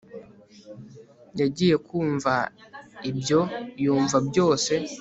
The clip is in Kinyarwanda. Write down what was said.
yagiye kumva ibyo yumva byose